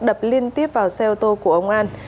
đập liên tiếp vào xe ô tô của ông an